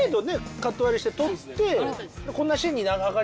カット割りして撮ってへえ